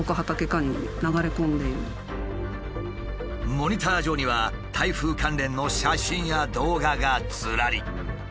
モニター上には台風関連の写真や動画がずらり。